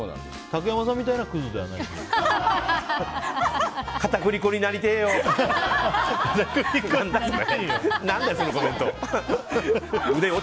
竹山さんみたいなクズではないですよ。